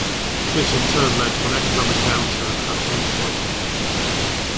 This in turn led to an economic downturn and unemployment.